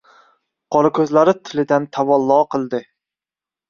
Qorako‘zlari tilidan tavallo qildi.